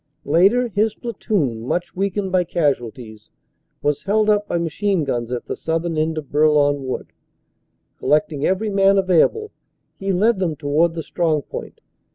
Later his platoon, much weakened by casualties, was held up by machine guns at the southern end of Bourlon Wood. Collecting every man available, he led them toward the strong point.